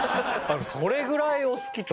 それぐらいお好きと。